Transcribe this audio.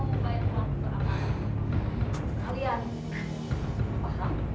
apa yang perlahan